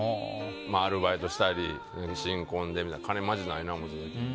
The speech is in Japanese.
アルバイトしたり新婚でみたいな金マジないなって。